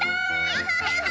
アハハハ！